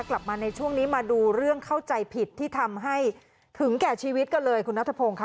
กลับมาในช่วงนี้มาดูเรื่องเข้าใจผิดที่ทำให้ถึงแก่ชีวิตกันเลยคุณนัทพงศ์ค่ะ